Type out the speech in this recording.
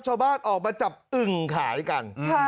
ชาวบ้านออกมาจับอึ่งขายกัน